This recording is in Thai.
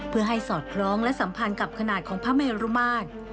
เพื่อให้สอดคล้องและสัมพันธ์กับขนาดของพระเมรุมาตร